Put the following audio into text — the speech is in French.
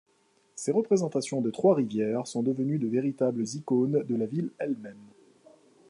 Ses représentations de Trois-Rivières sont devenues de véritables icônes de la ville elle-même.